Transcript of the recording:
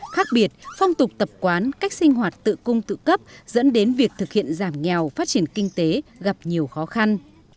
khác biệt phong tục tập quán cách sinh hoạt tự cung tự cấp dẫn đến việc thực hiện giảm nghèo phát triển kinh tế gặp nhiều khó khăn